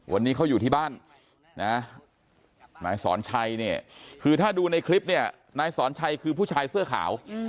วันนี้เขาอยู่ที่บ้านนะนายสอนชัยเนี่ยคือถ้าดูในคลิปเนี่ยนายสอนชัยคือผู้ชายเสื้อขาว